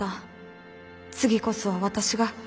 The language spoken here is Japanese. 次こそは私が。